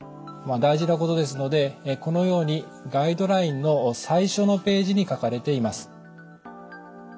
大事なことですのでこのようにガイドラインの最初のページに書かれています。